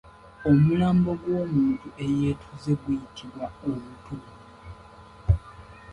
Omulambo gw'omuntu eyeetuze guyitibwa omutuggu